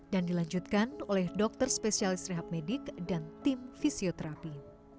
dan dilanjutkan oleh dokter spesialis rehab medik dan tim fisioterapi